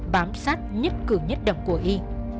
bám sát nhất cử nhất đầm của y